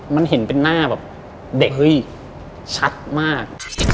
มันเห็นเป็นหน้าแบบเด็กเฮ้ยชัดมาก